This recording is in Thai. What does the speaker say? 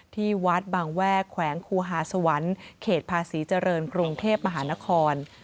ที่วัดบางแวกแขวงคูหาสวรรค์เขตภาษีเจริญกรุงเทพมหานคร